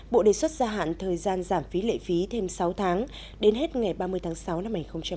bộ đề xuất gia hạn thời gian giảm phí lệ phí thêm sáu tháng đến hết ngày ba mươi tháng sáu năm hai nghìn hai mươi